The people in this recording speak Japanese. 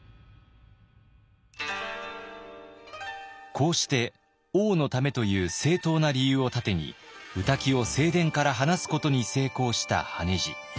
こうして王のためという正当な理由を盾に御嶽を正殿から離すことに成功した羽地。